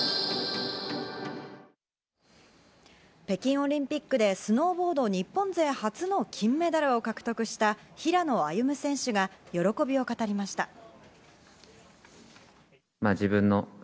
北京オリンピックでスノーボード日本勢初の金メダルを獲得した平野歩夢選手が喜びを語りました。